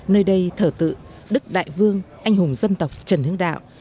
nơi đây thở tự đức đại vương anh hùng dân tộc trần hưng đạo